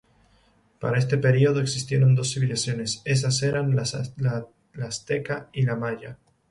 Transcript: Para este periodo existieron dos civilizaciones esas eran: la azteca y la maya.